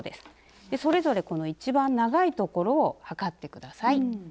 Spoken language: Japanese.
それぞれこの一番長いところを測って下さい。